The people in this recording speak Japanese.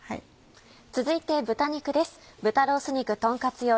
続いて豚肉です。